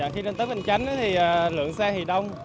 khi lên tới bình chánh thì lượng xe thì đông